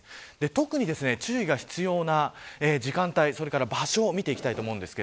特に、注意が必要な時間帯それから場所を見ていきたいと思います。